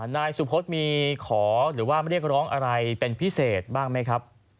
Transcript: นายสุพธมีขอหรือว่าเรียกร้องอะไรเป็นพิเศษบ้างไหมครับ